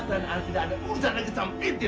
dan tidak ada urusan lagi untuk saya berdua